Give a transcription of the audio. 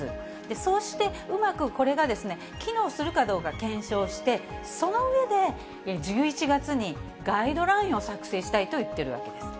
そうして、うまくこれが機能するかどうか検証して、その上で、１１月にガイドラインを作成したいと言っているわけです。